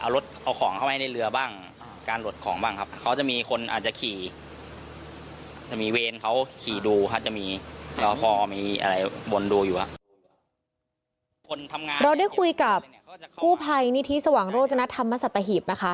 เราได้คุยกับกู้ภัยนิธิสว่างโรจนธรรมสัตหีบนะคะ